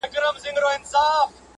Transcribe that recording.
نو لطفا په هغو غولو کي لرګی مه وهئ